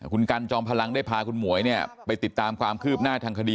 คุณกันจอมพลังได้พาคุณหมวยเนี่ยไปติดตามความคืบหน้าทางคดี